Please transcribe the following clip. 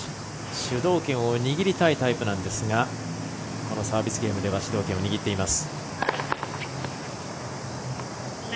主導権を握りたいタイプなんですがこのサービスゲームでは主導権を握っています。